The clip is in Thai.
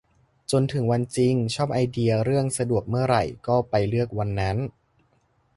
จนถึงวันจริง - ชอบไอเดียเรื่อง สะดวกเมื่อไหร่ก็ไปเลือกวันนั้น